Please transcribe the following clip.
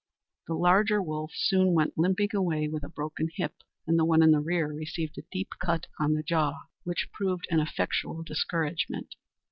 The larger wolf soon went limping away with a broken hip, and the one in the rear received a deep cut on the jaw which proved an effectual discouragement.